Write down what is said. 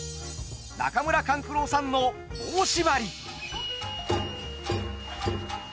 中村勘九郎さんの「棒しばり」。